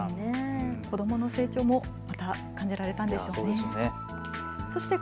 子どもの成長もまた見られたんでしょうね。